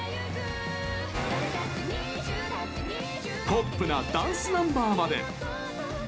ポップなダンスナンバーまで！